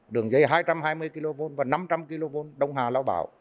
đường dây hai trăm hai mươi kv và năm trăm linh kv đông hà lao bảo